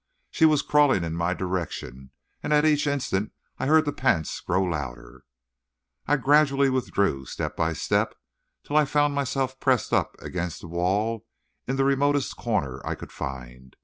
She was crawling in my direction, and at each instant I heard the pants grow louder. I gradually withdrew, step by step, till I found myself pressed up against the wall in the remotest corner I could find.